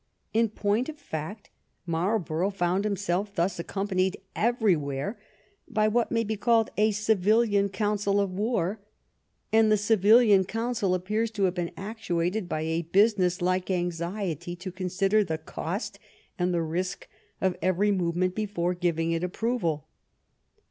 In point of fact, Marlborough found himself thus ac companied everywhere by what may be called a civilian council of war, and the civilian council appears to have been actuated by a business like anxiety to consider the cost and the risk of every movement before giving it approval.